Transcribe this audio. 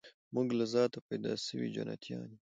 موږ له ذاته پیدا سوي جنتیان یو